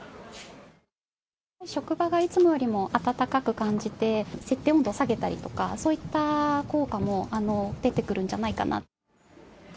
職場がいつもよりも暖かく感じて、設定温度を下げたりとか、そういった効果も出てくるんじゃないかな。